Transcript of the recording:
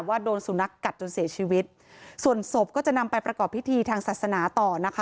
ว่าโดนสุนัขกัดจนเสียชีวิตส่วนศพก็จะนำไปประกอบพิธีทางศาสนาต่อนะคะ